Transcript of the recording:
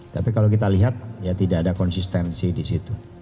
tapi kalau kita lihat ya tidak ada konsistensi disitu